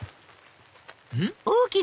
うん？